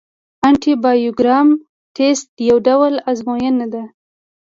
انټي بایوګرام ټسټ یو ډول ازموینه ده.